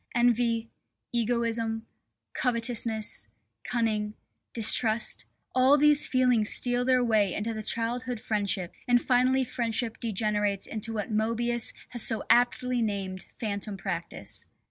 Envy, egoism, covetousness, cunning, distrust, all these feelings steal their way into the childhood friendship, and finally friendship degenerates into what Moebius has so aptly named Phantom practice.